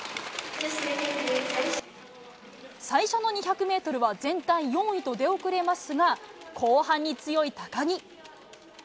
最初の２００メートルは全体４位と出遅れますが、後半に強い高木。